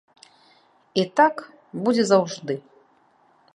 І так будзе заўжды.